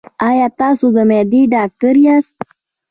ایا تاسو د معدې ډاکټر یاست؟